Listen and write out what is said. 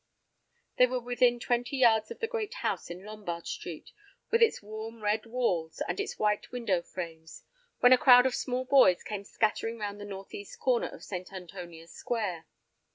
They were within twenty yards of the great house in Lombard Street, with its warm red walls and its white window frames, when a crowd of small boys came scattering round the northeast corner of St. Antonia's Square.